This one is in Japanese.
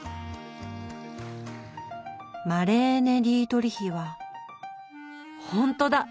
マレーネ・ディートリヒはほんとだ！